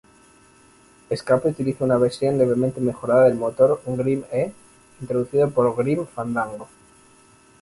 Escape utiliza una versión levemente mejorada del motor GrimE introducido por Grim Fandango.